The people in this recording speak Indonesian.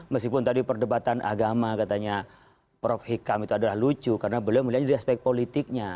meskipun tadi perdebatan agama katanya prof hikam itu adalah lucu karena beliau melihat dari aspek politiknya